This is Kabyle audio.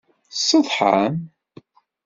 Tsetḥam?